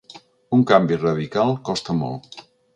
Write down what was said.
Un canvi radical costa molt.